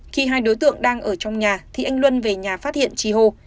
khi hai đối tượng đang ở trong nhà thì anh luân về nhà phát hiện trì hô